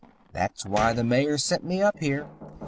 That's why the Mayor sent me up here.